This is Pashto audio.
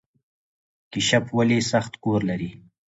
کیشپ ولې سخت کور لري؟